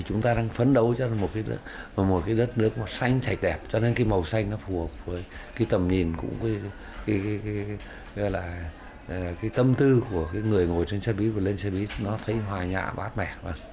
chúng ta đang phấn đấu cho một đất nước xanh sạch đẹp cho nên màu xanh phù hợp với tầm nhìn tâm tư của người ngồi trên xe buýt và lên xe buýt nó thấy hoài nhạ bát mẻ